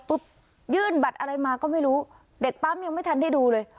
ยื่นบัตรอะไรมาก็ไม่รู้เด็กปั๊มยังไม่ทันได้ดูเลย